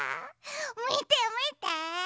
みてみて。